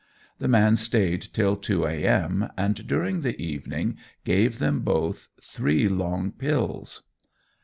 The man stayed till 2 a.m., and during the evening gave them both "three long pills."